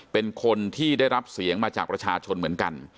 เป็นคนที่ได้รับเสียงมาจากประชาชนเหมือนกัน